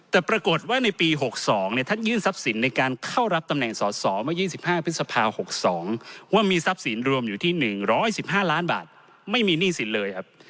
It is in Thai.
แต่ปรากฏว่าในปี๖๒ท่านยื่นทรัพย์สินในการเข้ารับตำแหน่งสอสอเมื่อ๒๕พฤษภา๖๒ว่ามีทรัพย์สินรวมอยู่ที่๑๑๕ล้านบาทไม่มีหนี้สินเลยครับ